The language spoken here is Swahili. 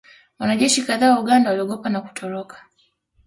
Wanajeshi kadhaa wa Uganda waliogopa na kutoroka